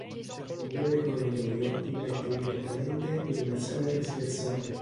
Un breve corridoio immette direttamente in una sala trasversale.